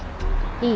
いい？